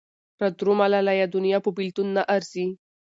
را درومه لالیه دونيا په بېلتون نه ارځي